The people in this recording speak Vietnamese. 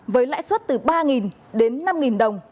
với lãi suất từ ba đến năm đồng